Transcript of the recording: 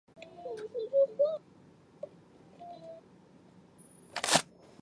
头孢达肟是一种第三代头孢菌素。